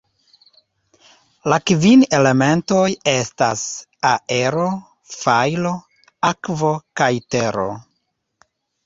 La kvin elementoj estas: Aero, Fajro, Akvo kaj Tero.